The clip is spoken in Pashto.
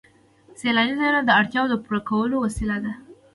سیلاني ځایونه د اړتیاوو د پوره کولو وسیله ده.